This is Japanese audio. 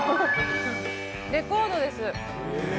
レコードです。